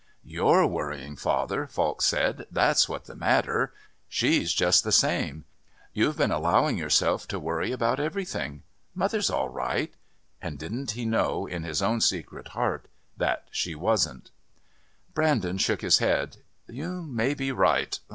"You're worrying, father," Falk said, "that's what's the matter. She's just the same. You've been allowing yourself to worry about everything. Mother's all right." And didn't he know, in his own secret heart, that she wasn't? Brandon shook his head. "You may he right.